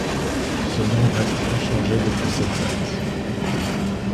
Ce nom reste inchangé depuis cette date.